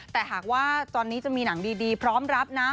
แต่หากว่าตอนนี้จะมีหนังดีพร้อมรับนะ